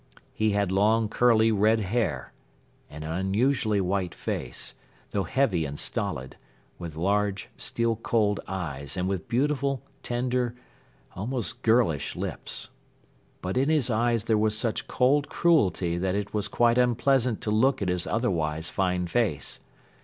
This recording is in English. He had long curly red hair and an unusually white face, though heavy and stolid, with large, steel cold eyes and with beautiful, tender, almost girlish lips. But in his eyes there was such cold cruelty that it was quite unpleasant to look at his otherwise fine face.